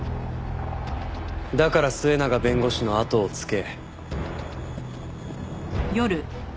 だから末永弁護士のあとをつけ。